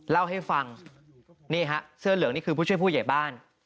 เล่าให้ฟังนี่ฮะเสื้อเหลืองนี่คือผู้ช่วยผู้ใหญ่บ้าน